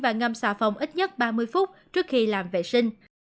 và ngâm xà phòng ít nhất ba mươi phút trước khi làm vệ sinh